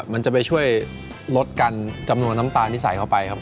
มันจะไปช่วยลดกันจำนวนน้ำตาลที่ใส่เข้าไปครับ